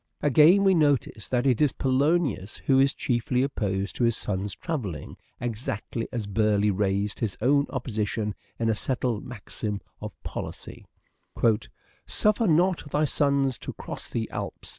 Again we notice that it is Polonius who is chiefly opposed to his son's travelling, exactly as Burleigh raised his own opposition into a settled maxim of policy :'' Suffer not thy sons to cross the Alps